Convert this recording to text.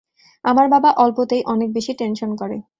আমার বাবা অল্পতেই অনেক বেশি টেনশন করে।